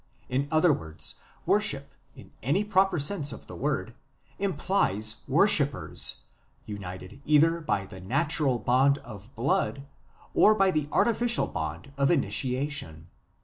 In other words, worship in any proper sense of the word implies worshippers, united either by the natural bond of blood or by the artificial bond of initiation.